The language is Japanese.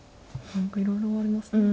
何かいろいろありますね